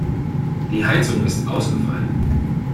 Die Heizung ist ausgefallen.